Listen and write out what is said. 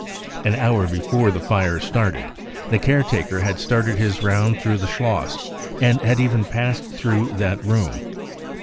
" An hour before the fire started the caretaker had started his round through the Schloss and had even passed through that room.